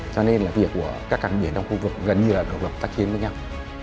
cho nên là việc của các cảng biển trong khu vực gần như là độc lập tác chiến với nhau